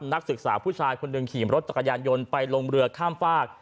นักศึกษาผู้ชายคนหนึ่งขี่รถจักรยานยนต์ไปลงเรือข้ามฝาก